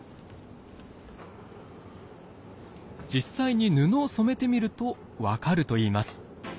実際に布を染めてみると分かるといいます。